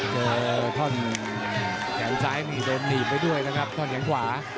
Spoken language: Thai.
เจอท่อนแขนซ้ายนี่โดนหนีบไปด้วยนะครับท่อนแขนขวา